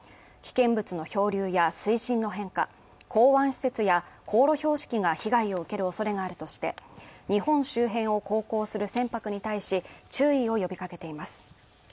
危険物の漂流港湾施設や航路標識が被害を受ける恐れがあるとして、日本周辺を航行する船舶に対し注意を呼びかけています。